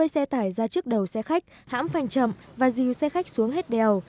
xe tải ra trước đầu xe khách hãm phành chậm và rìu xe khách xuống hết đèo